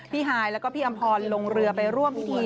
ฮายแล้วก็พี่อำพรลงเรือไปร่วมพิธี